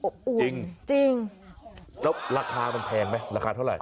แล้วราคากันแพงไหมเท่าไหร่